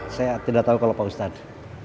saya tidak tahu kalau pak ustadz